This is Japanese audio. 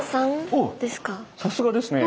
さすがですね。